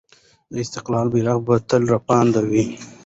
د استقلال بیرغ به تل رپاند وي.